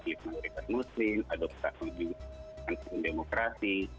pembangunan muslim adopsasi komunitas demokrasi